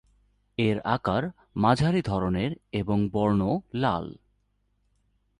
এর আকার মাঝারি ধরনের এবং বর্ণ লাল।